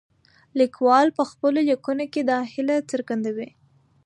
لیکوال په خپلو لیکنو کې دا هیله څرګندوي.